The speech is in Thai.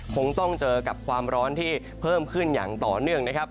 คงต้องเจอกับความร้อนที่เพิ่มขึ้นอย่างต่อเนื่องนะครับ